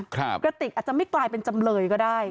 กระติกอาจจะไม่กลายเป็นจำเลยก็ได้